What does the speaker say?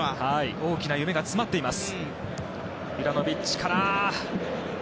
大きな夢が詰まっています。